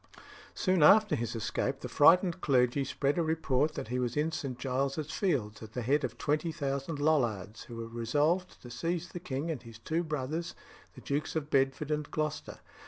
Soon after his escape, the frightened clergy spread a report that he was in St. Giles's Fields, at the head of twenty thousand Lollards, who were resolved to seize the king and his two brothers, the Dukes of Bedford and Gloucester.